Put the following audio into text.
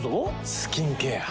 スキンケア。